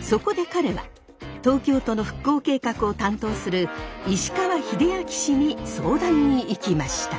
そこで彼は東京都の復興計画を担当する石川栄耀氏に相談に行きました。